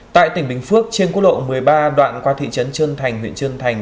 tại tỉnh bình phước trên quốc lộ một mươi ba đoạn qua thị trấn trân thành huyện trân thành